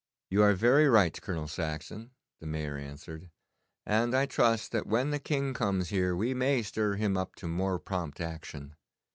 'You are very right, Colonel Saxon,' the Mayor answered. 'And I trust that when the King comes here we may stir him up to more prompt action.